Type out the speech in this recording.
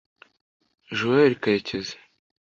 Joel Karekezi